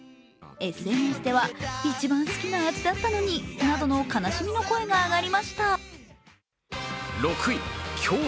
ＳＮＳでは一番好きな味だったのになどの悲しみの声が上がりました。